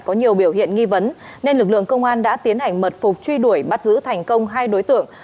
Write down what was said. có nhiều biểu hiện nghi vấn nên lực lượng công an đã tiến hành mật phục truy đuổi bắt giữ thành công hai đối tượng